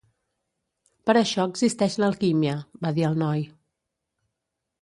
"Per això existeix l'alquímia", va dir el noi.